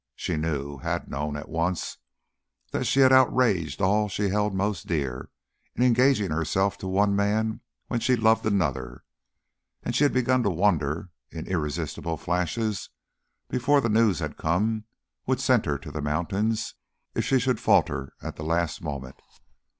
She knew, had known at once, that she had outraged all she held most dear, in engaging herself to one man when she loved another, and she had begun to wonder in irresistible flashes before the news had come which sent her to the mountains, if she should falter at the last moment.